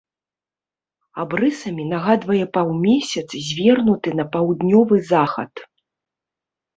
Абрысамі нагадвае паўмесяц, звернуты на паўднёвы захад.